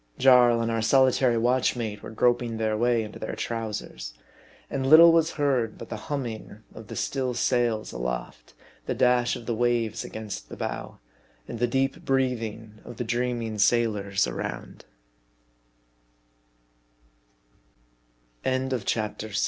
Jarl and our solitary watch mate were groping their way into their trow sers. And little was heard but the humming of the still sails aloft ; the dash of the waves against the bow ; and the deep breathing of th